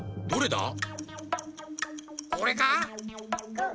どれだ？